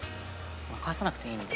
返さなくていいんで。